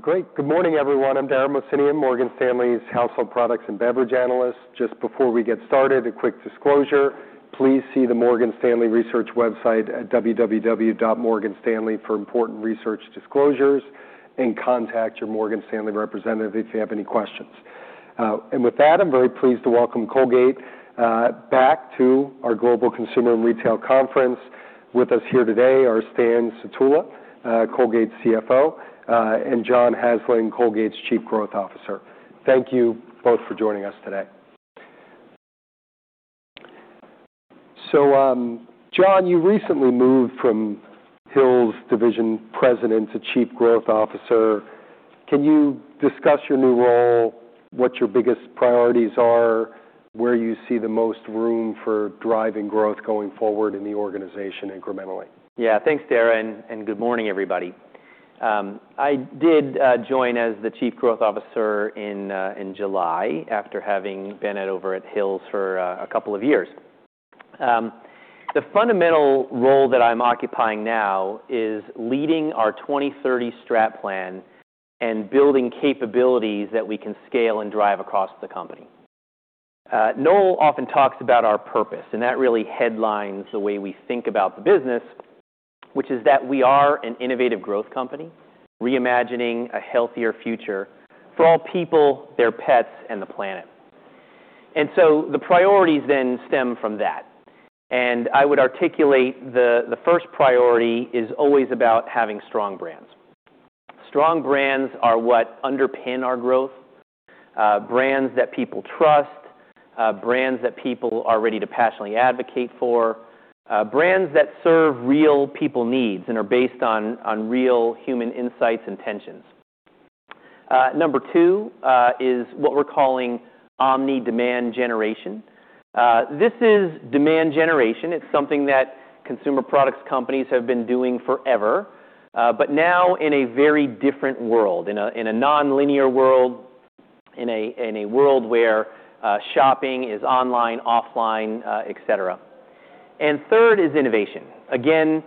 Great. Good morning, everyone. I'm Dara Mohsenian, Morgan Stanley's Household Products and Beverage Analyst. Just before we get started, a quick disclosure: please see the Morgan Stanley Research website at www.morganstanley.com for important research disclosures and contact your Morgan Stanley representative if you have any questions. With that, I'm very pleased to welcome Colgate back to our Global Consumer and Retail Conference. With us here today are Stan Sutula, Colgate CFO, and John Hazlin, Colgate's Chief Growth Officer. Thank you both for joining us today. John, you recently moved from Hill's Division President to Chief Growth Officer. Can you discuss your new role, what your biggest priorities are, where you see the most room for driving growth going forward in the organization incrementally? Yeah. Thanks, Dara, and good morning, everybody. I did join as the Chief Growth Officer in July after having been over at Hill's for a couple of years. The fundamental role that I'm occupying now is leading our 2030 strat plan and building capabilities that we can scale and drive across the company. Noel often talks about our purpose, and that really headlines the way we think about the business, which is that we are an innovative growth company reimagining a healthier future for all people, their pets, and the planet. The priorities then stem from that. I would articulate the first priority is always about having strong brands. Strong brands are what underpin our growth, brands that people trust, brands that people are ready to passionately advocate for, brands that serve real people needs and are based on real human insights and tensions. Number two is what we're calling Omni Demand Generation. This is demand generation. It's something that consumer products companies have been doing forever, but now in a very different world, in a non-linear world, in a world where shopping is online, offline, etc. Third is innovation. Again,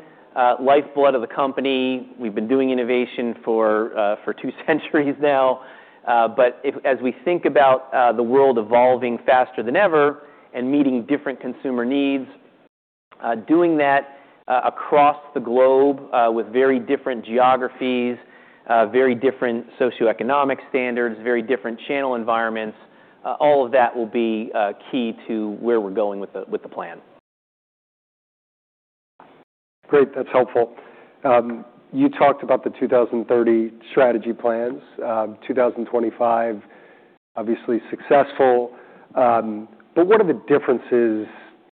lifeblood of the company, we've been doing innovation for two centuries now. As we think about the world evolving faster than ever and meeting different consumer needs, doing that across the globe with very different geographies, very different socioeconomic standards, very different channel environments, all of that will be key to where we're going with the plan. Great. That's helpful. You talked about the 2030 strategy plans, 2025 obviously successful. What are the differences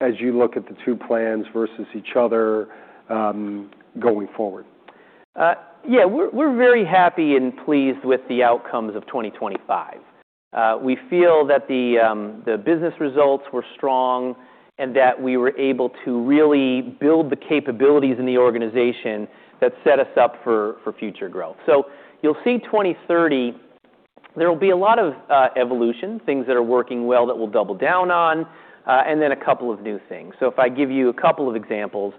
as you look at the two plans versus each other going forward? Yeah. We're very happy and pleased with the outcomes of 2025. We feel that the business results were strong and that we were able to really build the capabilities in the organization that set us up for future growth. You'll see 2030, there will be a lot of evolution, things that are working well that we'll double down on, and then a couple of new things. If I give you a couple of examples,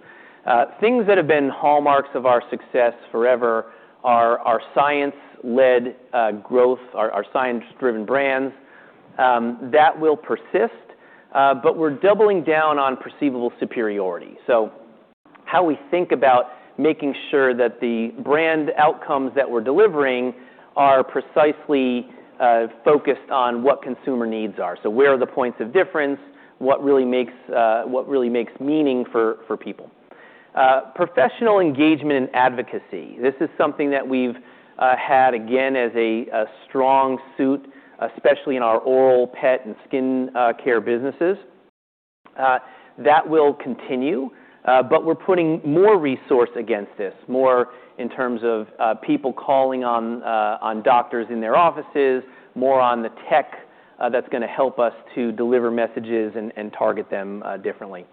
things that have been hallmarks of our success forever are our science-led growth, our science-driven brands. That will persist, but we're doubling down on perceivable superiority. How we think about making sure that the brand outcomes that we're delivering are precisely focused on what consumer needs are. Where are the points of difference? What really makes meaning for people? Professional engagement and advocacy. This is something that we've had again as a strong suit, especially in our oral, pet, and skin care businesses. That will continue, but we're putting more resource against this, more in terms of people calling on doctors in their offices, more on the tech that's going to help us to deliver messages and target them differently.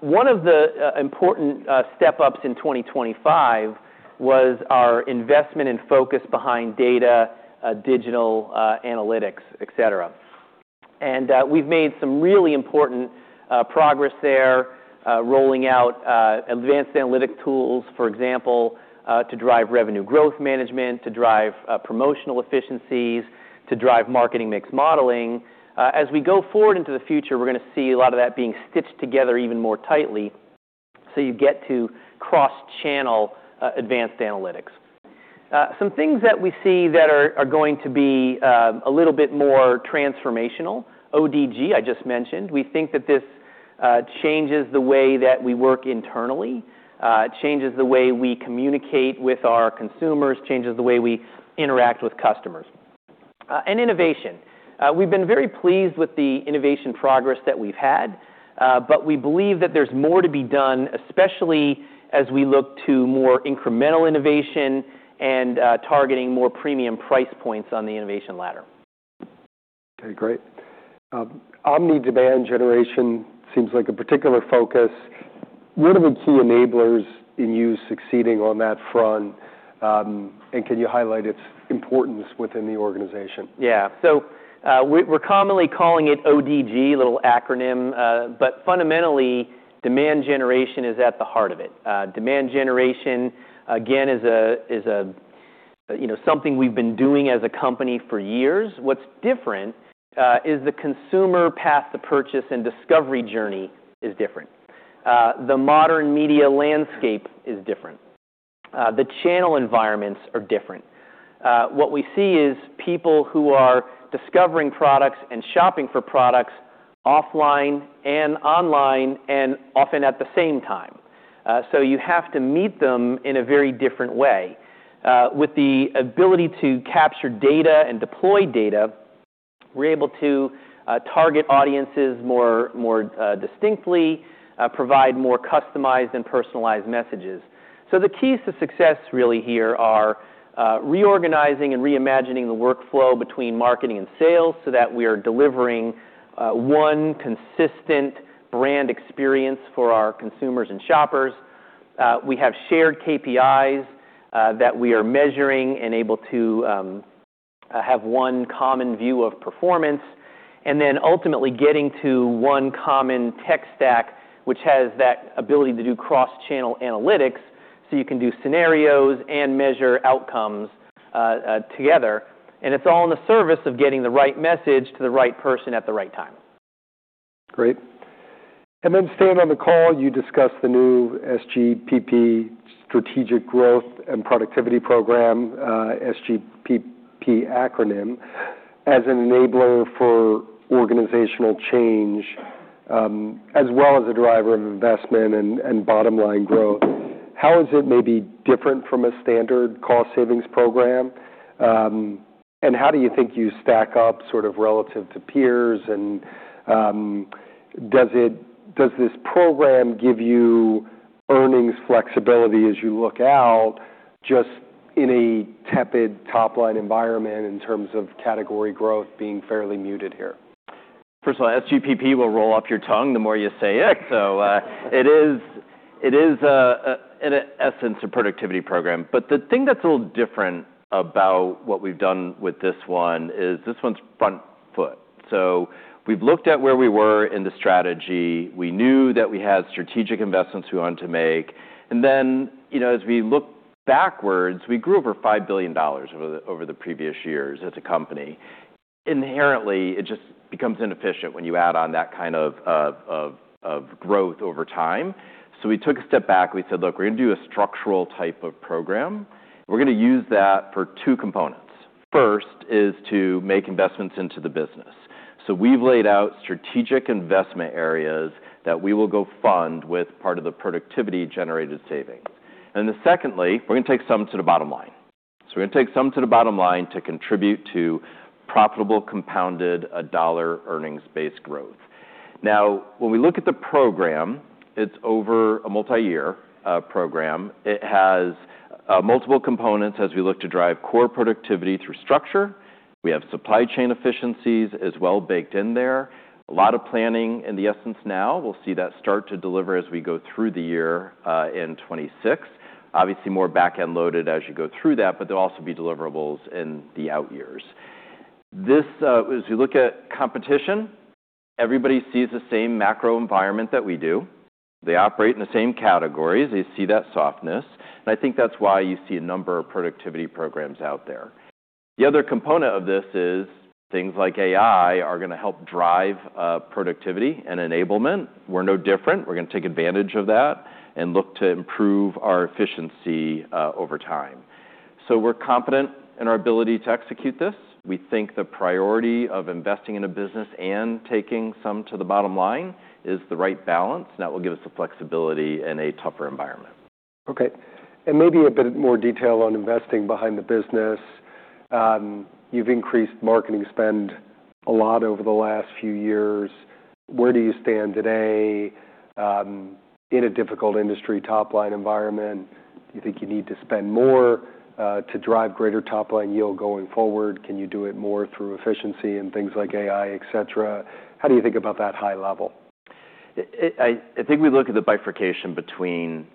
One of the important step-ups in 2025 was our investment and focus behind data, digital analytics, etc. We've made some really important progress there, rolling out advanced analytic tools, for example, to drive revenue growth management, to drive promotional efficiencies, to drive marketing mix modeling. As we go forward into the future, we're going to see a lot of that being stitched together even more tightly so you get to cross-channel advanced analytics. Some things that we see that are going to be a little bit more transformational, ODG I just mentioned. We think that this changes the way that we work internally, changes the way we communicate with our consumers, changes the way we interact with customers. Innovation. We've been very pleased with the innovation progress that we've had, but we believe that there's more to be done, especially as we look to more incremental innovation and targeting more premium price points on the innovation ladder. Okay. Great. Omni Demand Generation seems like a particular focus. What are the key enablers in you succeeding on that front? Can you highlight its importance within the organization? Yeah. So we're commonly calling it ODG, a little acronym, but fundamentally, demand generation is at the heart of it. Demand generation, again, is something we've been doing as a company for years. What's different is the consumer path to purchase and discovery journey is different. The modern media landscape is different. The channel environments are different. What we see is people who are discovering products and shopping for products offline and online and often at the same time. You have to meet them in a very different way. With the ability to capture data and deploy data, we're able to target audiences more distinctly, provide more customized and personalized messages. The keys to success really here are reorganizing and reimagining the workflow between marketing and sales so that we are delivering one consistent brand experience for our consumers and shoppers. We have shared KPIs that we are measuring and able to have one common view of performance. We are ultimately getting to one common tech stack, which has that ability to do cross-channel analytics so you can do scenarios and measure outcomes together. It is all in the service of getting the right message to the right person at the right time. Great. Stan, on the call, you discussed the new SGPP Strategic Growth and Productivity Program, SGPP acronym, as an enabler for organizational change, as well as a driver of investment and bottom-line growth. How is it maybe different from a standard cost savings program? How do you think you stack up sort of relative to peers? Does this program give you earnings flexibility as you look out just in a tepid top-line environment in terms of category growth being fairly muted here? First of all, SGPP will roll up your tongue the more you say it. It is, in essence, a productivity program. The thing that's a little different about what we've done with this one is this one's front foot. We looked at where we were in the strategy. We knew that we had strategic investments we wanted to make. As we look backwards, we grew over $5 billion over the previous years as a company. Inherently, it just becomes inefficient when you add on that kind of growth over time. We took a step back. We said, "Look, we're going to do a structural type of program. We're going to use that for two components. First is to make investments into the business." We've laid out strategic investment areas that we will go fund with part of the productivity-generated savings. We're going to take some to the bottom line. We're going to take some to the bottom line to contribute to profitable compounded dollar earnings-based growth. Now, when we look at the program, it's over a multi-year program. It has multiple components as we look to drive core productivity through structure. We have supply chain efficiencies as well baked in there. A lot of planning in the essence now. We'll see that start to deliver as we go through the year in 2026. Obviously, more back-end loaded as you go through that, but there'll also be deliverables in the out years. As we look at competition, everybody sees the same macro environment that we do. They operate in the same categories. They see that softness. I think that's why you see a number of productivity programs out there. The other component of this is things like AI are going to help drive productivity and enablement. We're no different. We're going to take advantage of that and look to improve our efficiency over time. We are confident in our ability to execute this. We think the priority of investing in a business and taking some to the bottom line is the right balance. That will give us the flexibility in a tougher environment. Okay. Maybe a bit more detail on investing behind the business. You've increased marketing spend a lot over the last few years. Where do you stand today in a difficult industry top-line environment? Do you think you need to spend more to drive greater top-line yield going forward? Can you do it more through efficiency and things like AI, etc.? How do you think about that high level? I think we look at the bifurcation between,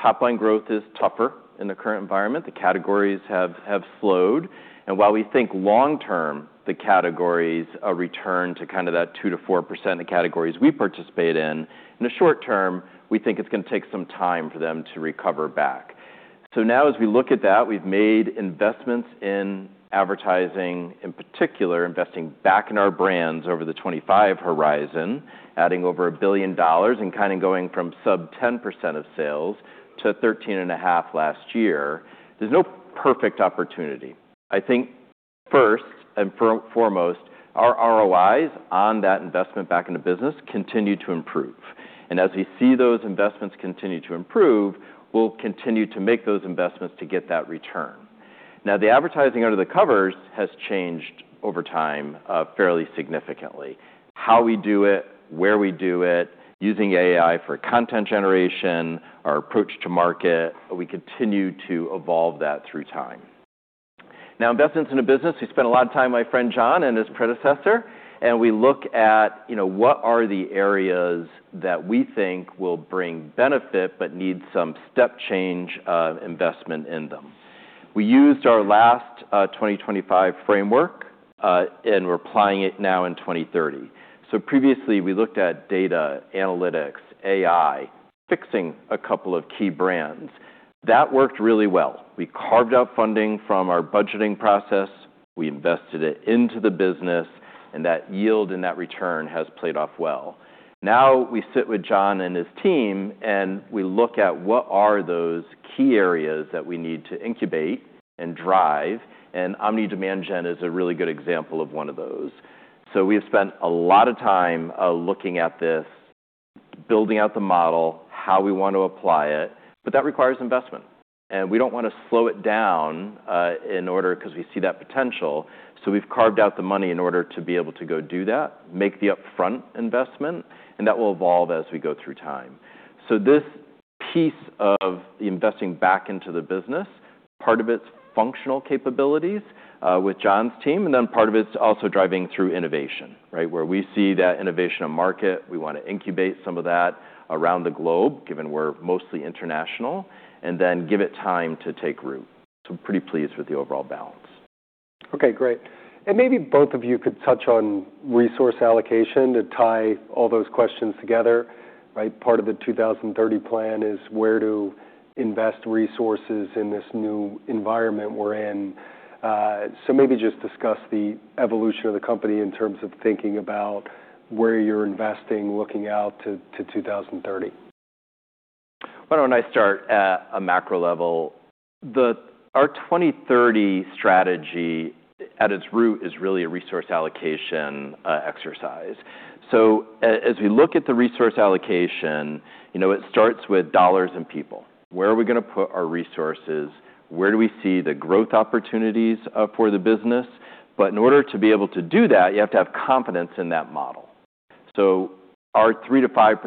top-line growth is tougher in the current environment. The categories have slowed. While we think long-term the categories are returned to kind of that 2%-4% in the categories we participate in, in the short term, we think it's going to take some time for them to recover back. Now as we look at that, we've made investments in advertising, in particular, investing back in our brands over the 2025 horizon, adding over $1 billion and kind of going from sub 10% of sales to 13.5% last year. There's no perfect opportunity. I think first and foremost, our ROIs on that investment back in the business continue to improve. As we see those investments continue to improve, we'll continue to make those investments to get that return. Now, the advertising under the covers has changed over time fairly significantly. How we do it, where we do it, using AI for content generation, our approach to market, we continue to evolve that through time. Now, investments in a business, we spend a lot of time, my friend John and his predecessor, and we look at what are the areas that we think will bring benefit but need some step change investment in them. We used our last 2025 framework and we're applying it now in 2030. Previously, we looked at data, analytics, AI, fixing a couple of key brands. That worked really well. We carved out funding from our budgeting process. We invested it into the business, and that yield and that return has played off well. Now we sit with John and his team, and we look at what are those key areas that we need to incubate and drive. Omni Demand Gen is a really good example of one of those. We have spent a lot of time looking at this, building out the model, how we want to apply it, but that requires investment. We do not want to slow it down because we see that potential. We have carved out the money in order to be able to go do that, make the upfront investment, and that will evolve as we go through time. This piece of investing back into the business, part of it is functional capabilities with John's team, and then part of it is also driving through innovation, right? Where we see that innovation of market, we want to incubate some of that around the globe, given we're mostly international, and then give it time to take root. I'm pretty pleased with the overall balance. Okay. Great. Maybe both of you could touch on resource allocation to tie all those questions together, right? Part of the 2030 plan is where to invest resources in this new environment we're in. Maybe just discuss the evolution of the company in terms of thinking about where you're investing, looking out to 2030. Why don't I start at a macro level? Our 2030 strategy at its root is really a resource allocation exercise. As we look at the resource allocation, it starts with dollars and people. Where are we going to put our resources? Where do we see the growth opportunities for the business? In order to be able to do that, you have to have confidence in that model. Our 3%-5%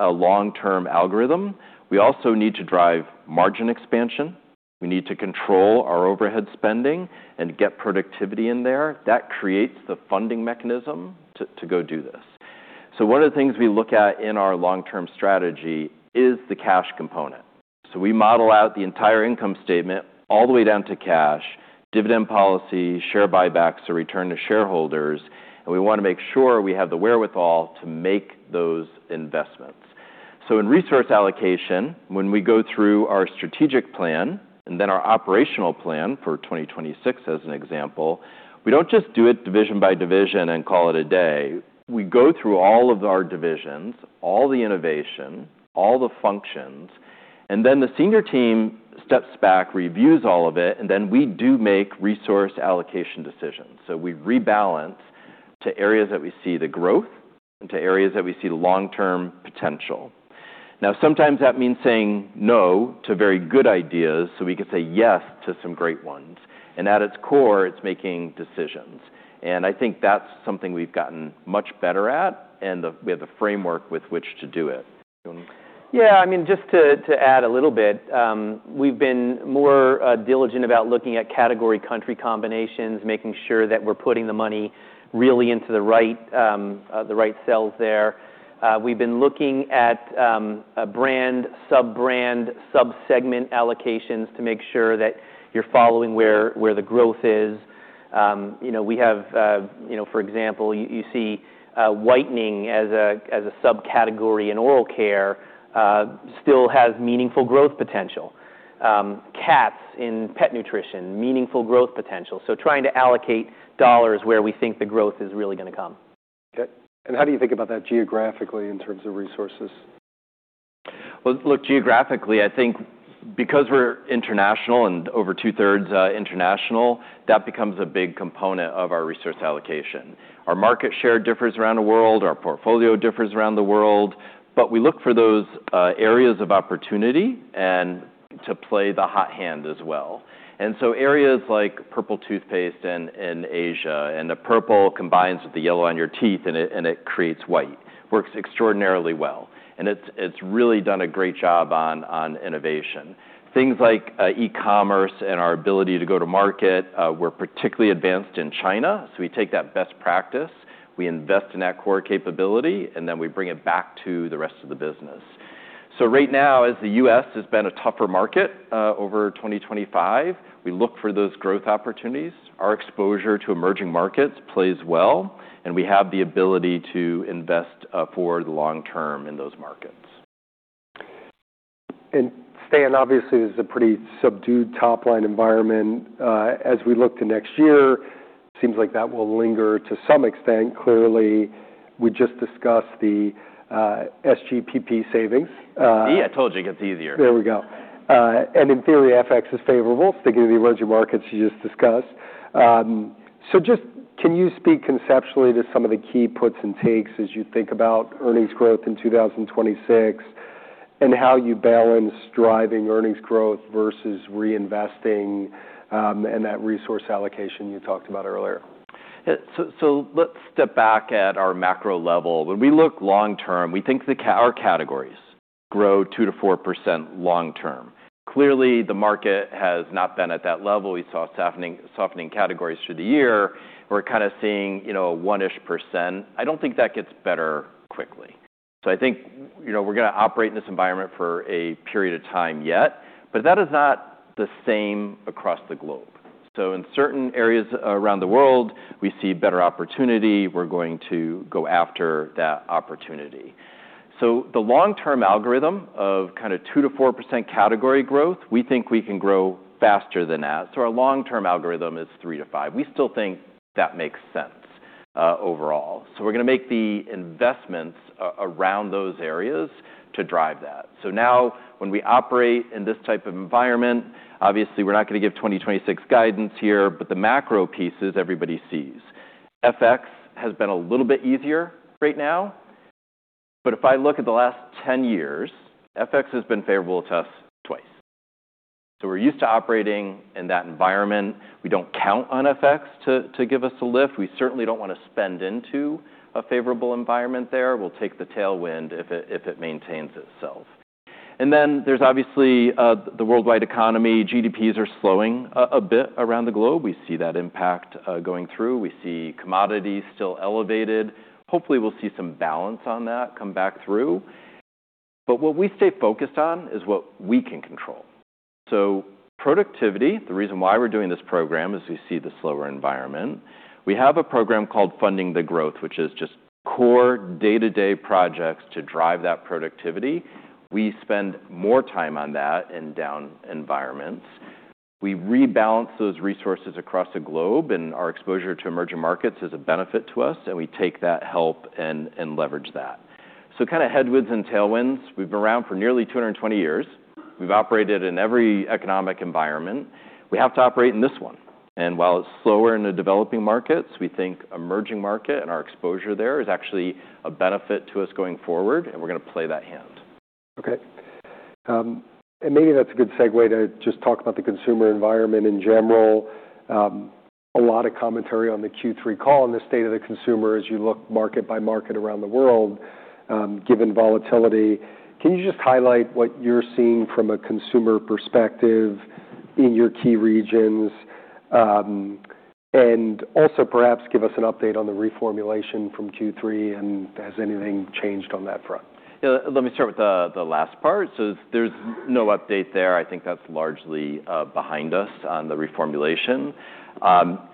long-term algorithm, we also need to drive margin expansion. We need to control our overhead spending and get productivity in there. That creates the funding mechanism to go do this. One of the things we look at in our long-term strategy is the cash component. We model out the entire income statement all the way down to cash, dividend policy, share buybacks, or return to shareholders. We want to make sure we have the wherewithal to make those investments. In resource allocation, when we go through our strategic plan and then our operational plan for 2026, as an example, we do not just do it division by division and call it a day. We go through all of our divisions, all the innovation, all the functions, and then the senior team steps back, reviews all of it, and then we do make resource allocation decisions. We rebalance to areas that we see the growth and to areas that we see the long-term potential. Now, sometimes that means saying no to very good ideas so we could say yes to some great ones. At its core, it is making decisions. I think that is something we have gotten much better at, and we have the framework with which to do it. Yeah. I mean, just to add a little bit, we've been more diligent about looking at category country combinations, making sure that we're putting the money really into the right cells there. We've been looking at brand, sub-brand, sub-segment allocations to make sure that you're following where the growth is. We have, for example, you see whitening as a subcategory in oral care still has meaningful growth potential. Cats in pet nutrition, meaningful growth potential. Trying to allocate dollars where we think the growth is really going to come. Okay. How do you think about that geographically in terms of resources? Look, geographically, I think because we're international and over two-thirds international, that becomes a big component of our resource allocation. Our market share differs around the world. Our portfolio differs around the world. We look for those areas of opportunity and to play the hot hand as well. Areas like purple toothpaste in Asia and the purple combines with the yellow on your teeth, and it creates white. Works extraordinarily well. It's really done a great job on innovation. Things like e-commerce and our ability to go to market, we're particularly advanced in China. We take that best practice, we invest in that core capability, and then we bring it back to the rest of the business. Right now, as the U.S. has been a tougher market over 2025, we look for those growth opportunities. Our exposure to emerging markets plays well, and we have the ability to invest for the long term in those markets. Stan, obviously, this is a pretty subdued top-line environment. As we look to next year, it seems like that will linger to some extent. Clearly, we just discussed the SGPP savings. Yeah, I told you it gets easier. There we go. In theory, FX is favorable, sticking to the emerging markets you just discussed. Can you speak conceptually to some of the key puts and takes as you think about earnings growth in 2026 and how you balance driving earnings growth versus reinvesting and that resource allocation you talked about earlier? Let's step back at our macro level. When we look long-term, we think our categories grow 2%-4% long-term. Clearly, the market has not been at that level. We saw softening categories through the year. We're kind of seeing a one-ish percent. I don't think that gets better quickly. I think we're going to operate in this environment for a period of time yet, but that is not the same across the globe. In certain areas around the world, we see better opportunity. We're going to go after that opportunity. The long-term algorithm of kind of 2%-4% category growth, we think we can grow faster than that. Our long-term algorithm is 3%-5%. We still think that makes sense overall. We're going to make the investments around those areas to drive that. Now when we operate in this type of environment, obviously, we're not going to give 2026 guidance here, but the macro pieces everybody sees. FX has been a little bit easier right now. If I look at the last 10 years, FX has been favorable to us twice. We're used to operating in that environment. We don't count on FX to give us a lift. We certainly don't want to spend into a favorable environment there. We'll take the tailwind if it maintains itself. There is obviously the worldwide economy. GDPs are slowing a bit around the globe. We see that impact going through. We see commodities still elevated. Hopefully, we'll see some balance on that come back through. What we stay focused on is what we can control. Productivity, the reason why we're doing this program is we see the slower environment. We have a program called Funding the Growth, which is just core day-to-day projects to drive that productivity. We spend more time on that in down environments. We rebalance those resources across the globe, and our exposure to emerging markets is a benefit to us, and we take that help and leverage that. Kind of headwinds and tailwinds. We've been around for nearly 220 years. We've operated in every economic environment. We have to operate in this one. While it's slower in the developing markets, we think emerging market and our exposure there is actually a benefit to us going forward, and we're going to play that hand. Okay. Maybe that's a good segue to just talk about the consumer environment in general. A lot of commentary on the Q3 call and the state of the consumer as you look market by market around the world, given volatility. Can you just highlight what you're seeing from a consumer perspective in your key regions and also perhaps give us an update on the reformulation from Q3 and has anything changed on that front? Let me start with the last part. There's no update there. I think that's largely behind us on the reformulation.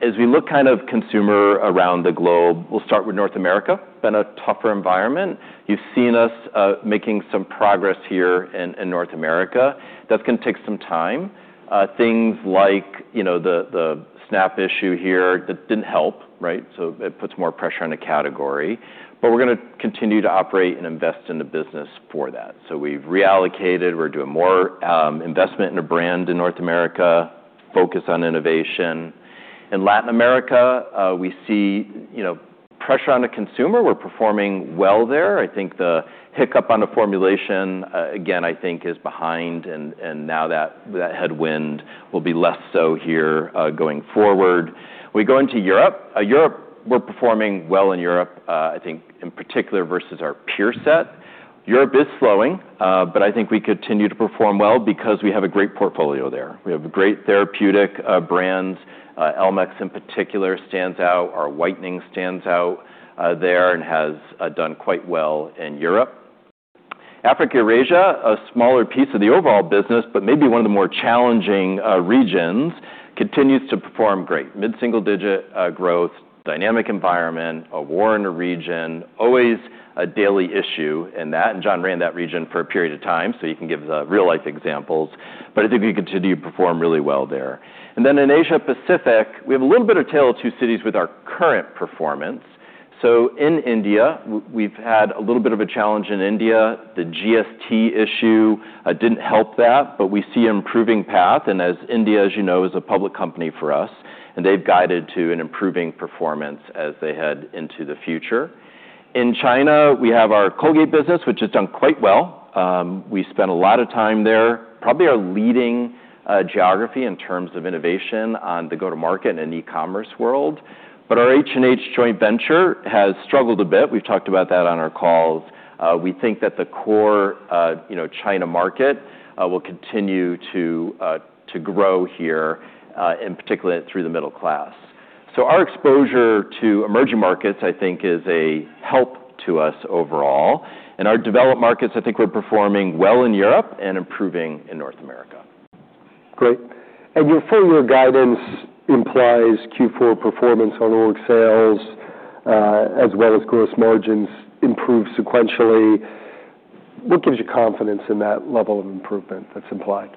As we look kind of consumer around the globe, we'll start with North America. Been a tougher environment. You've seen us making some progress here in North America. That's going to take some time. Things like the SNAP issue here didn't help, right? It puts more pressure on a category. We're going to continue to operate and invest in the business for that. We've reallocated. We're doing more investment in a brand in North America, focus on innovation. In Latin America, we see pressure on the consumer. We're performing well there. I think the hiccup on the formulation, again, I think is behind, and now that headwind will be less so here going forward. We go into Europe. Europe, we're performing well in Europe, I think in particular versus our peer set. Europe is slowing, but I think we continue to perform well because we have a great portfolio there. We have great therapeutic brands. Elmex in particular stands out. Our whitening stands out there and has done quite well in Europe. Africa and Asia, a smaller piece of the overall business, but maybe one of the more challenging regions, continues to perform great. Mid-single digit growth, dynamic environment, a war in a region, always a daily issue in that. John ran that region for a period of time, so he can give real-life examples. I think we continue to perform really well there. In Asia-Pacific, we have a little bit of tail two cities with our current performance. In India, we've had a little bit of a challenge in India. The GST issue did not help that, but we see an improving path. As India, as you know, is a public company for us, and they have guided to an improving performance as they head into the future. In China, we have our Colgate business, which has done quite well. We spent a lot of time there, probably our leading geography in terms of innovation on the go-to-market and e-commerce world. Our H&H joint venture has struggled a bit. We have talked about that on our calls. We think that the core China market will continue to grow here, in particular through the middle class. Our exposure to emerging markets, I think, is a help to us overall. Our developed markets, I think we are performing well in Europe and improving in North America. Your four-year guidance implies Q4 performance on org sales as well as gross margins improve sequentially. What gives you confidence in that level of improvement that's implied?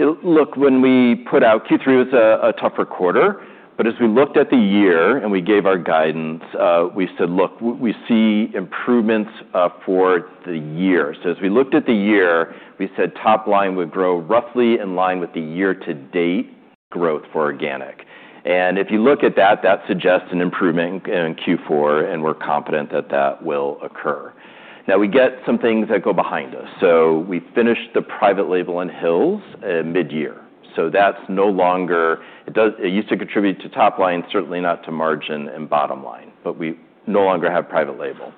Look, when we put out Q3, it was a tougher quarter. As we looked at the year and we gave our guidance, we said, "Look, we see improvements for the year." As we looked at the year, we said top line would grow roughly in line with the year-to-date growth for organic. If you look at that, that suggests an improvement in Q4, and we're confident that that will occur. Now, we get some things that go behind us. We finished the private label in Hill's mid-year. That is no longer, it used to contribute to top line, certainly not to margin and bottom line, but we no longer have private label.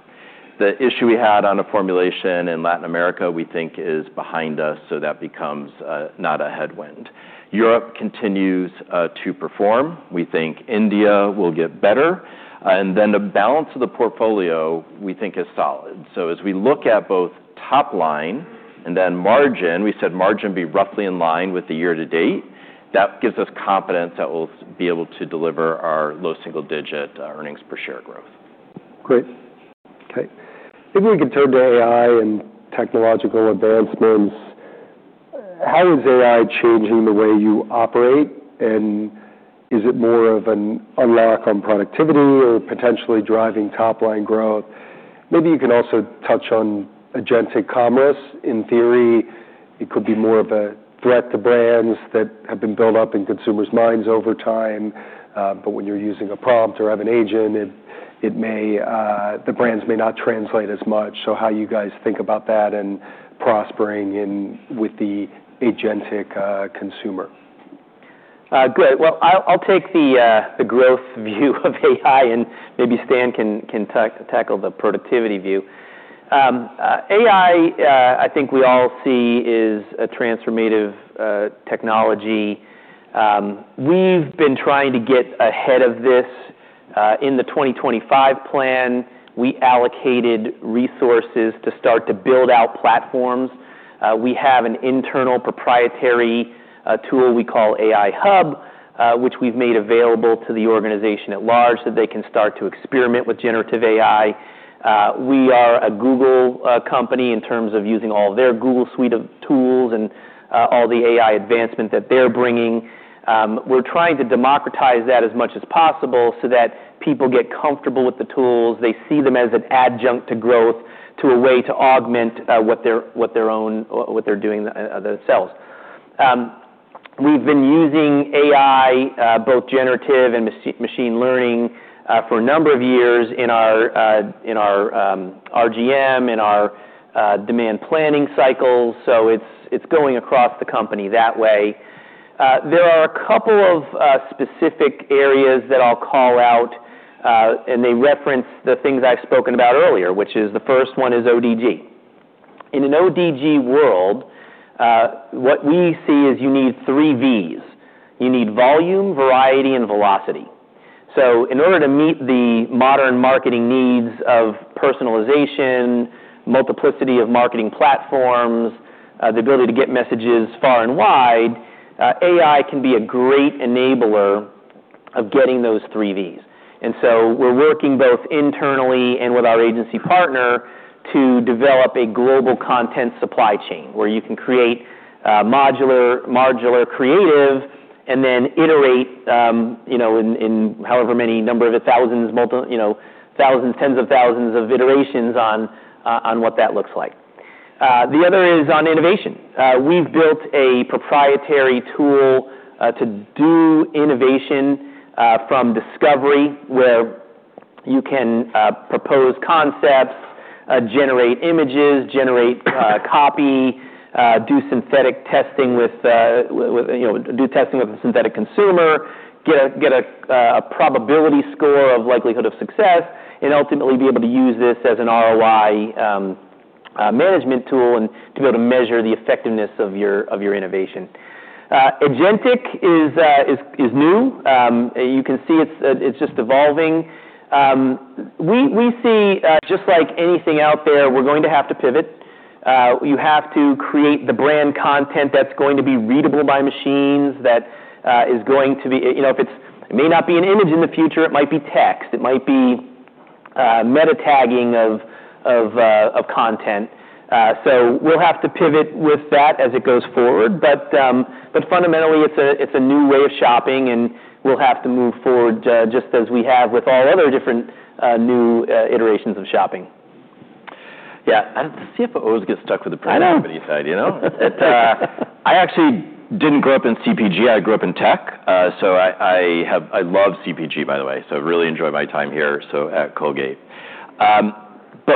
The issue we had on a formulation in Latin America, we think, is behind us, so that becomes not a headwind. Europe continues to perform. We think India will get better. The balance of the portfolio, we think, is solid. As we look at both top line and then margin, we said margin would be roughly in line with the year-to-date. That gives us confidence that we'll be able to deliver our low-single digit earnings per share growth. Great. Okay. If we could turn to AI and technological advancements, how is AI changing the way you operate? Is it more of an unlock on productivity or potentially driving top-line growth? Maybe you can also touch on agentic commerce. In theory, it could be more of a threat to brands that have been built up in consumers' minds over time. When you're using a prompt or have an agent, the brands may not translate as much. How do you guys think about that and prospering with the agentic consumer? Good. I'll take the growth view of AI, and maybe Stan can tackle the productivity view. AI, I think we all see, is a transformative technology. We've been trying to get ahead of this. In the 2025 plan, we allocated resources to start to build out platforms. We have an internal proprietary tool we call AI Hub, which we've made available to the organization at large so they can start to experiment with generative AI. We are a Google company in terms of using all their Google Suite of tools and all the AI advancement that they're bringing. We're trying to democratize that as much as possible so that people get comfortable with the tools. They see them as an adjunct to growth, to a way to augment what they're doing themselves. We've been using AI, both generative and machine learning, for a number of years in our RGM, in our demand planning cycles. It is going across the company that way. There are a couple of specific areas that I'll call out, and they reference the things I've spoken about earlier, which is the first one is ODG. In an ODG world, what we see is you need three Vs. You need volume, variety, and velocity. In order to meet the modern marketing needs of personalization, multiplicity of marketing platforms, the ability to get messages far and wide, AI can be a great enabler of getting those three Vs. We are working both internally and with our agency partner to develop a global content supply chain where you can create modular, creative, and then iterate in however many number of thousands, tens of thousands of iterations on what that looks like. The other is on innovation. We have built a proprietary tool to do innovation from discovery where you can propose concepts, generate images, generate copy, do synthetic testing with a synthetic consumer, get a probability score of likelihood of success, and ultimately be able to use this as an ROI management tool and to be able to measure the effectiveness of your innovation. Agentic is new. You can see it is just evolving. We see, just like anything out there, we are going to have to pivot. You have to create the brand content that's going to be readable by machines, that is going to be, it may not be an image in the future. It might be text. It might be meta tagging of content. We'll have to pivot with that as it goes forward. Fundamentally, it's a new way of shopping, and we'll have to move forward just as we have with all other different new iterations of shopping. Yeah. The CFO always gets stuck with the programming side. I know. I actually did not grow up in CPG. I grew up in tech. I love CPG, by the way. I really enjoy my time here at Colgate.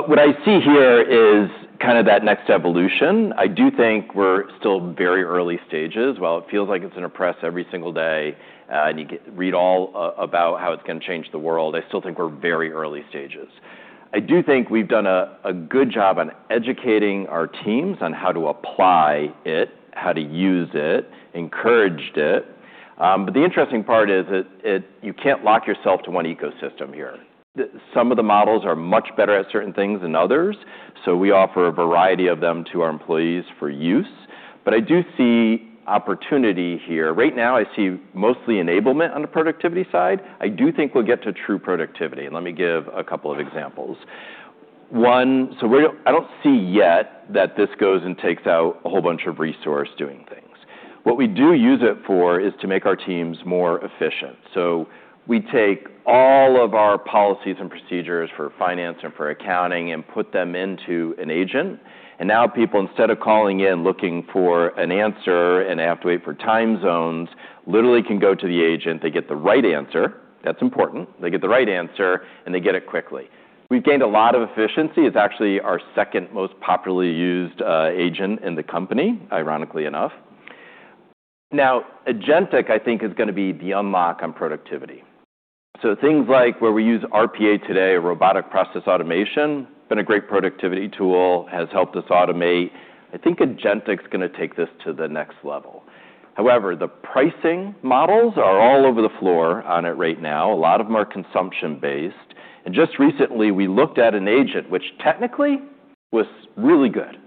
What I see here is kind of that next evolution. I do think we are still very early stages. While it feels like it is in the press every single day and you read all about how it is going to change the world, I still think we are very early stages. I do think we have done a good job on educating our teams on how to apply it, how to use it, encouraged it. The interesting part is that you cannot lock yourself to one ecosystem here. Some of the models are much better at certain things than others. We offer a variety of them to our employees for use. I do see opportunity here. Right now, I see mostly enablement on the productivity side. I do think we'll get to true productivity. Let me give a couple of examples. I don't see yet that this goes and takes out a whole bunch of resource doing things. What we do use it for is to make our teams more efficient. We take all of our policies and procedures for finance and for accounting and put them into an agent. Now people, instead of calling in looking for an answer and have to wait for time zones, literally can go to the agent. They get the right answer. That's important. They get the right answer, and they get it quickly. We've gained a lot of efficiency. It's actually our second most popularly used agent in the company, ironically enough. Now, agentic, I think, is going to be the unlock on productivity. Things like where we use RPA today, Robotic Process Automation, have been a great productivity tool, have helped us automate. I think agentic is going to take this to the next level. However, the pricing models are all over the floor on it right now. A lot of them are consumption-based. Just recently, we looked at an agent, which technically was really good,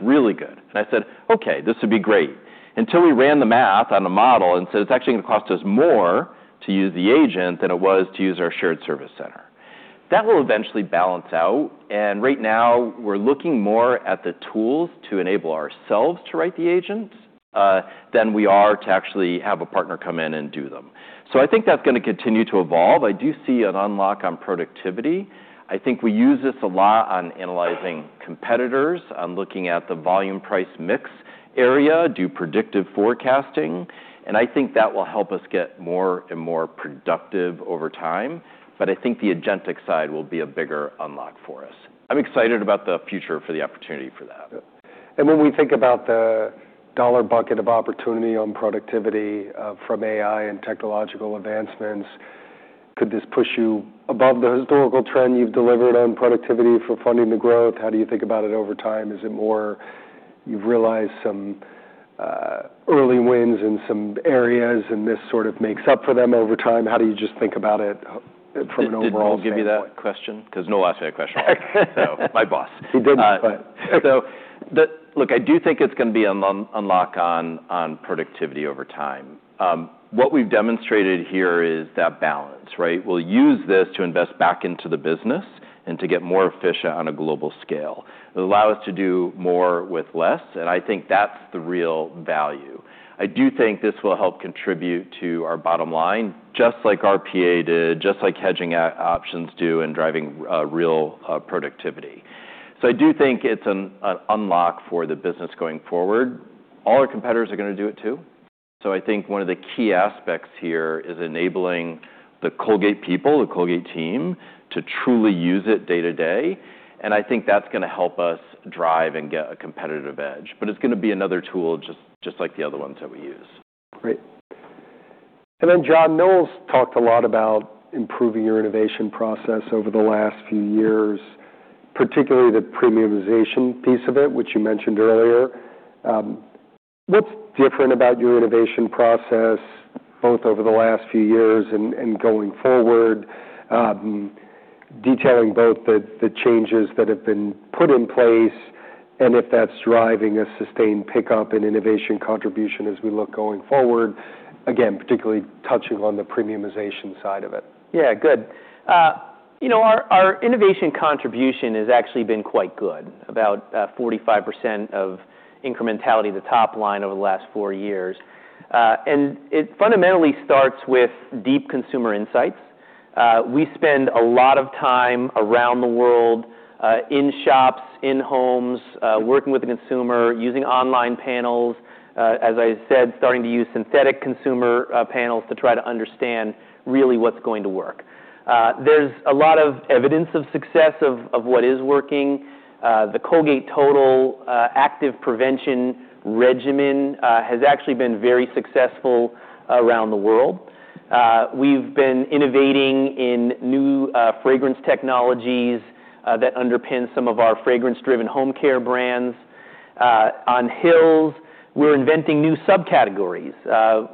really good. I said, "Okay, this would be great." Until we ran the math on a model and said, "It is actually going to cost us more to use the agent than it was to use our shared service center." That will eventually balance out. Right now, we are looking more at the tools to enable ourselves to write the agent than we are to actually have a partner come in and do them. I think that is going to continue to evolve. I do see an unlock on productivity. I think we use this a lot on analyzing competitors, on looking at the volume price mix area, do predictive forecasting. I think that will help us get more and more productive over time. I think the agentic side will be a bigger unlock for us. I'm excited about the future for the opportunity for that. When we think about the dollar bucket of opportunity on productivity from AI and technological advancements, could this push you above the historical trend you've delivered on productivity for funding the growth? How do you think about it over time? Is it more you've realized some early wins in some areas, and this sort of makes up for them over time? How do you just think about it from an overall standpoint? Can you give me that question? Because Noel asked me that question. My boss. He didn't, but. I do think it's going to be an unlock on productivity over time. What we've demonstrated here is that balance, right? We'll use this to invest back into the business and to get more efficient on a global scale. It'll allow us to do more with less. I think that's the real value. I do think this will help contribute to our bottom line, just like RPA did, just like hedging options do, and driving real productivity. I do think it's an unlock for the business going forward. All our competitors are going to do it too. I think one of the key aspects here is enabling the Colgate people, the Colgate team, to truly use it day to day. I think that's going to help us drive and get a competitive edge. It is going to be another tool, just like the other ones that we use. Great. John Knowles talked a lot about improving your innovation process over the last few years, particularly the premiumization piece of it, which you mentioned earlier. What is different about your innovation process, both over the last few years and going forward, detailing both the changes that have been put in place and if that is driving a sustained pickup in innovation contribution as we look going forward? Again, particularly touching on the premiumization side of it. Yeah, good. Our innovation contribution has actually been quite good, about 45% of incrementality to top line over the last four years. It fundamentally starts with deep consumer insights. We spend a lot of time around the world in shops, in homes, working with the consumer, using online panels. As I said, starting to use synthetic consumer panels to try to understand really what's going to work. There's a lot of evidence of success of what is working. The Colgate Total Active Prevention Regimen has actually been very successful around the world. We've been innovating in new fragrance technologies that underpin some of our fragrance-driven home care brands. On Hill's, we're inventing new subcategories.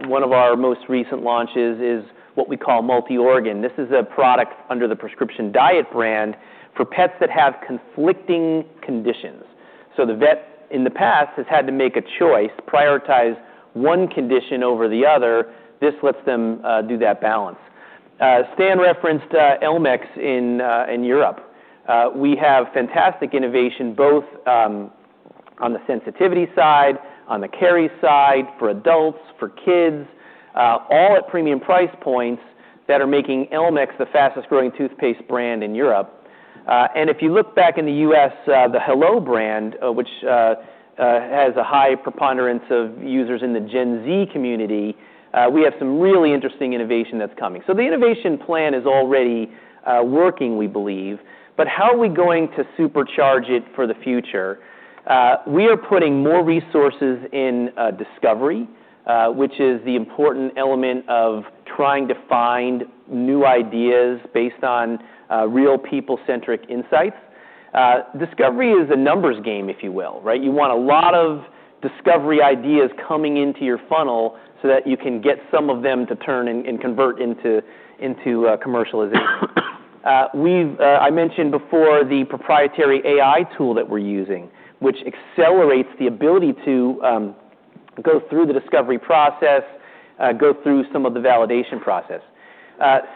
One of our most recent launches is what we call MultiOrgan. This is a product under the Prescription Diet brand for pets that have conflicting conditions. The vet in the past has had to make a choice, prioritize one condition over the other. This lets them do that balance. Stan referenced Elmex in Europe. We have fantastic innovation, both on the sensitivity side, on the carry side, for adults, for kids, all at premium price points that are making Elmex the fastest-growing toothpaste brand in Europe. If you look back in the U.S., the Hello brand, which has a high preponderance of users in the Gen Z community, we have some really interesting innovation that's coming. The innovation plan is already working, we believe. How are we going to supercharge it for the future? We are putting more resources in discovery, which is the important element of trying to find new ideas based on real people-centric insights. Discovery is a numbers game, if you will, right? You want a lot of discovery ideas coming into your funnel so that you can get some of them to turn and convert into commercialization. I mentioned before the proprietary AI tool that we're using, which accelerates the ability to go through the discovery process, go through some of the validation process.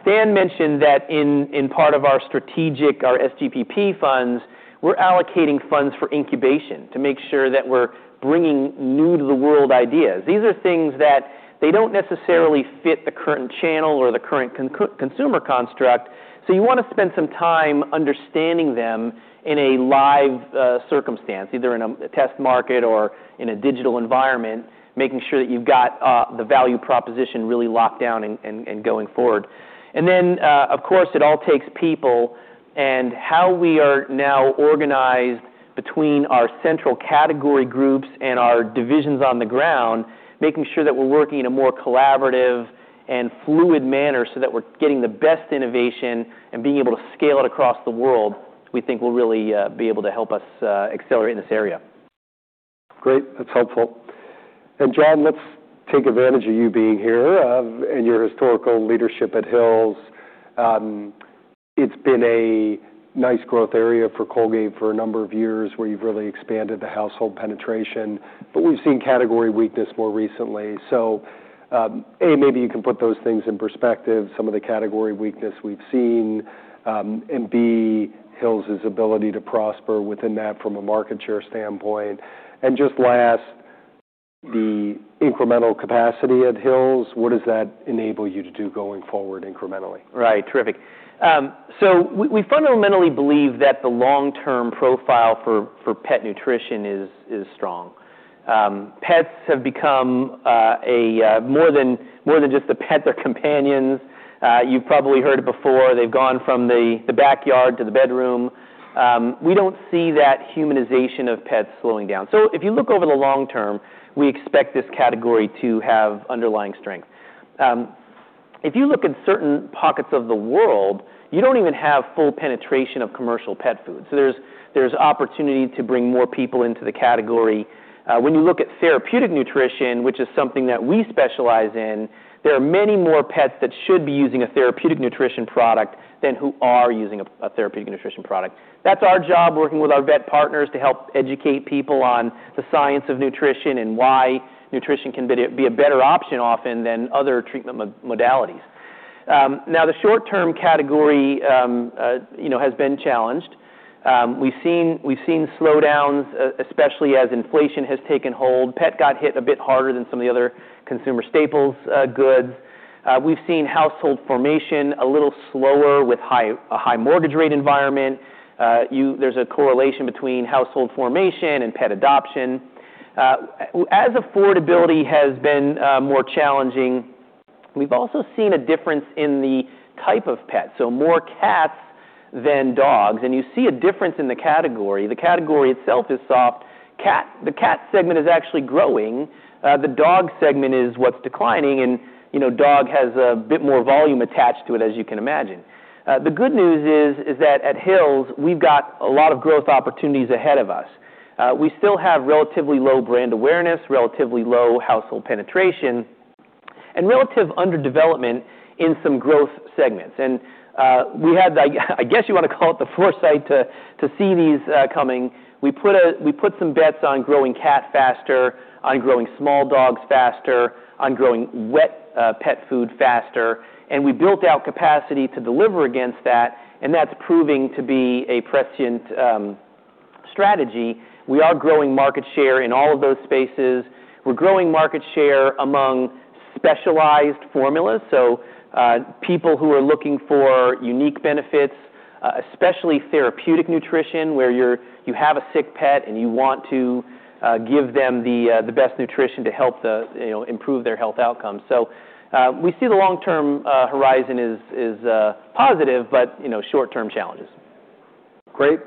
Stan mentioned that in part of our strategic, our SGPP funds, we're allocating funds for incubation to make sure that we're bringing new-to-the-world ideas. These are things that they don't necessarily fit the current channel or the current consumer construct. You want to spend some time understanding them in a live circumstance, either in a test market or in a digital environment, making sure that you've got the value proposition really locked down and going forward. Of course, it all takes people and how we are now organized between our central category groups and our divisions on the ground, making sure that we're working in a more collaborative and fluid manner so that we're getting the best innovation and being able to scale it across the world, we think will really be able to help us accelerate in this area. Great. That's helpful. John, let's take advantage of you being here and your historical leadership at Hill's. It's been a nice growth area for Colgate for a number of years where you've really expanded the household penetration. We've seen category weakness more recently. A, maybe you can put those things in perspective, some of the category weakness we've seen, and B, Hill's ability to prosper within that from a market share standpoint. Just last, the incremental capacity at Hill's, what does that enable you to do going forward incrementally? Right. Terrific. We fundamentally believe that the long-term profile for pet nutrition is strong. Pets have become more than just the pet, they're companions. You've probably heard it before. They've gone from the backyard to the bedroom. We don't see that humanization of pets slowing down. If you look over the long term, we expect this category to have underlying strength. If you look at certain pockets of the world, you don't even have full penetration of commercial pet food. There's opportunity to bring more people into the category. When you look at therapeutic nutrition, which is something that we specialize in, there are many more pets that should be using a therapeutic nutrition product than who are using a therapeutic nutrition product. That's our job, working with our vet partners to help educate people on the science of nutrition and why nutrition can be a better option often than other treatment modalities. Now, the short-term category has been challenged. We've seen slowdowns, especially as inflation has taken hold. Pet got hit a bit harder than some of the other consumer staples goods. We've seen household formation a little slower with a high mortgage rate environment. There's a correlation between household formation and pet adoption. As affordability has been more challenging, we've also seen a difference in the type of pets, so more cats than dogs. You see a difference in the category. The category itself is soft. The cat segment is actually growing. The dog segment is what's declining. Dog has a bit more volume attached to it, as you can imagine. The good news is that at Hill's, we've got a lot of growth opportunities ahead of us. We still have relatively low brand awareness, relatively low household penetration, and relative underdevelopment in some growth segments. We had, I guess you want to call it, the foresight to see these coming. We put some bets on growing cat faster, on growing small dogs faster, on growing wet pet food faster. We built out capacity to deliver against that. That is proving to be a prescient strategy. We are growing market share in all of those spaces. We're growing market share among specialized formulas, so people who are looking for unique benefits, especially therapeutic nutrition, where you have a sick pet and you want to give them the best nutrition to help improve their health outcomes. We see the long-term horizon is positive, but short-term challenges. Great.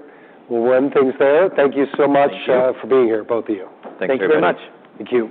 We'll end things there. Thank you so much for being here, both of you. Thank you very much. Thank you.